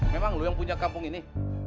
memang lu yang punya kampung ini